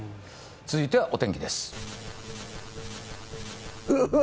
続いてはお天気ですうわ